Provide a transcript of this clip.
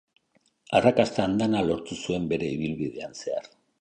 Arrakasta andana lortu zuen bere ibilbidean zehar.